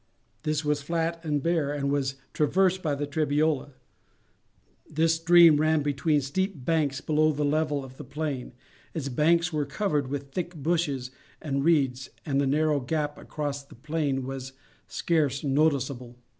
This was flat and bare, and was traversed by the Trebiola. This stream ran between steep banks below the level of the plain; its banks were covered with thick bushes and reeds, and the narrow gap across the plain was scarce noticeable.